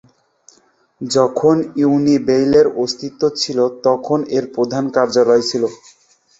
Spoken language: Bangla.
যখন ইউনিবেইলের অস্তিত্ব ছিল, তখন এর প্রধান কার্যালয় ছিল।